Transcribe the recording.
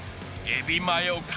えびまよ